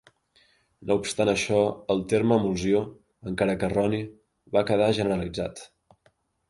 No obstant això el terme emulsió, encara que erroni, va quedar generalitzat.